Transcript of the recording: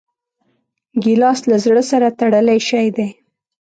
ګیلاس له زړه سره تړلی شی دی.